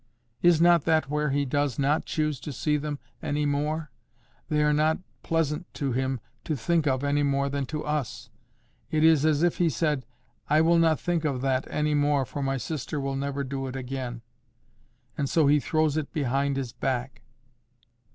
Is not that where He does not choose to see them any more? They are not pleasant to Him to think of any more than to us. It is as if He said—'I will not think of that any more, for my sister will never do it again,' and so He throws it behind His back."